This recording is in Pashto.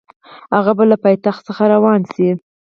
هغه به له پایتخت څخه روان شي.